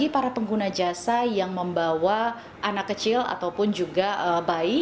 para pengguna jasa yang membawa anak kecil ataupun juga bayi